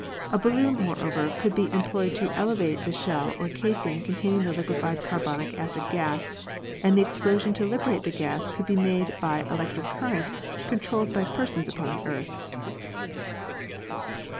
A balloon, moreover, could be em ployed to elevate the shell or casing containing the liquefied carbonic acid gas, and the explosion to liberate the gas could be made by an elee tric current controlled by persons upon the earth.